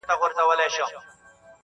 علم ته تلکه سوه عقل لاري ورکي کړې،